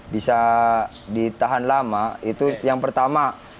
bisa ditahan lama itu yang pertama